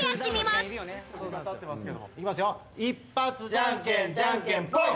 じゃんけんじゃんけんぽん！